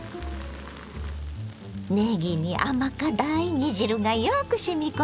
ねぎに甘辛い煮汁がよくしみ込んでるわ。